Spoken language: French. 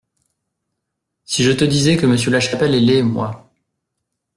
Si je te disais que Monsieur Lachapelle est laid, moi !